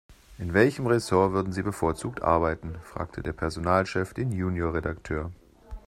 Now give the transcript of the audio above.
In welchem Ressort würden Sie bevorzugt arbeiten?, fragte der Personalchef den Junior-Redakteur.